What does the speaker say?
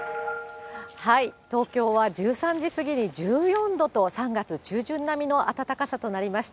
東京は１３時過ぎに１４度と、３月中旬並みの暖かさとなりました。